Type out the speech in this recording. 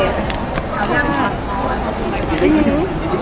นิ้ว